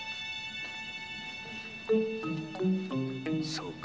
そうか。